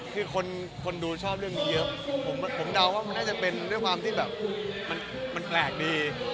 คือคนดูชอบเรื่องนี้เยอะผมเดาว่ามันน่าจะเป็นด้วยความที่แบบมันแปลกดี